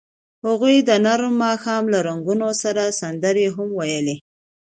هغوی د نرم ماښام له رنګونو سره سندرې هم ویلې.